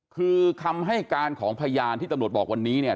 คือคำให้การของพยานที่ตำรวจบอกวันนี้เนี่ย